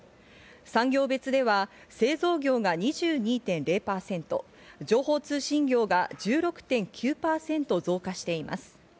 産業別では製造業が２２．０％、情報通信業が１６．９％増加しています。